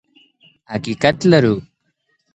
حقیقت لرو.